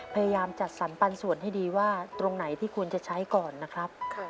พยายามจัดสรรปันส่วนให้ดีว่าตรงไหนที่ควรจะใช้ก่อนนะครับ